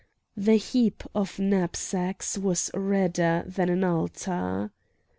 The heap of knapsacks was redder than an altar.